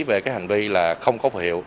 về cái hành vi là không có phù hiệu